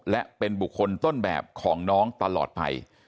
และเป็นบุคคลต้นแบบของน้องตลอดไป